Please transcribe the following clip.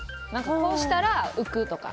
こうしたら浮くとか。